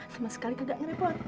sama sekali gak ngerepotin